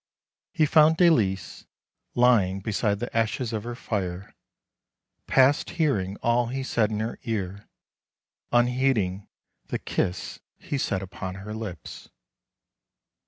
He found Dalice lying beside the ashes of her fire, past hearing all he said in her ear, unheeding the kiss he set upon her lips.